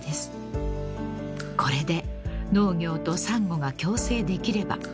［これで農業とサンゴが共生できれば］